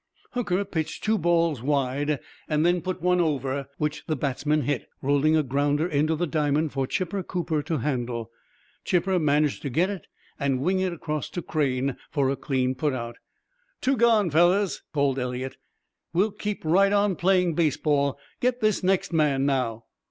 Hooker pitched two balls wide, and then put one over; which the batsman hit, rolling a grounder into the diamond for Chipper Cooper to handle. Chipper managed to get it and wing it across to Crane for a clean put out. "Two gone, fellows," called Eliot. "We'll keep right on playing baseball. Get this next man, now."